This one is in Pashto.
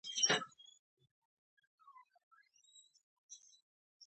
• واده د شریکو ارمانونو ترسره کول دي.